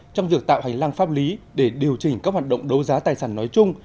trong việc tạo hành lang pháp lý để điều chỉnh các hoạt động đấu giá tài sản nói chung